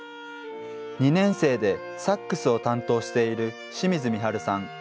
２年生でサックスを担当している清水みはるさん。